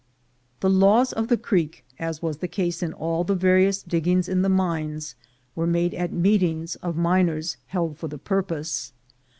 The laws of the creek, as was the case in all the various diggings in the mines, were made at meetings of miners held for the purpose.